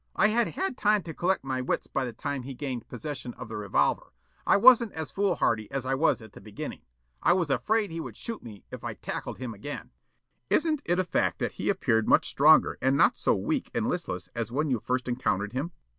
I had had time to collect my wits by the time he gained possession of the revolver. I wasn't as foolhardy as I was at the beginning. I was afraid he would shoot me if I tackled him again." Counsel: "Isn't it a fact that he appeared much stronger and not so weak and listless as when you first encountered him?"